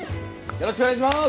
よろしくお願いします。